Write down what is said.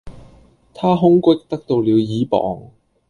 她空隙得到了倚傍